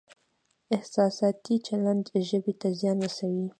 احساساتي چلند ژبې ته زیان رسوي.